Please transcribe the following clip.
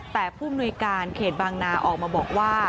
แต่ผู้มนุยการเขตบางนาออกมาบอกว่า